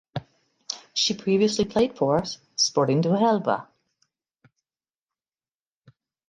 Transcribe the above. She previously played for Sporting de Huelva.